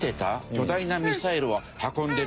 巨大なミサイルを運んでる車。